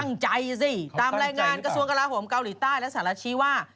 ตั้งใจซิตามแรงงานกระทรวงกระลาฮมเกาหลีใต้และสหรัฐชีว่า